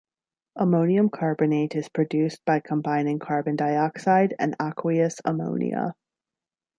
Ammonium carbonate is produced by combining carbon dioxide and aqueous ammonia.